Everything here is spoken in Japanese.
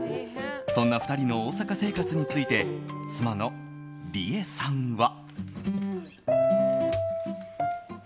そんな２人の大阪生活について妻の莉瑛さんは。